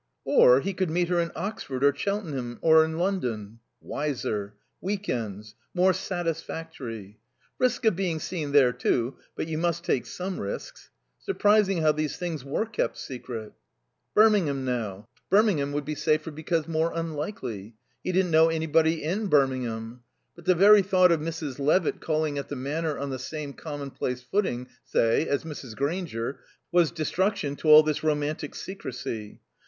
Or he could meet her in Oxford or Cheltenham or in London. Wiser. Week ends. More satisfactory. Risk of being seen there too, but you must take some risks. Surprising how these things were kept secret. Birmingham now. Birmingham would be safer because more unlikely. He didn't know anybody in Birmingham. But the very thought of Mrs. Levitt calling at the Manor on the same commonplace footing, say, as Mrs. Grainger, was destruction to all this romantic secrecy.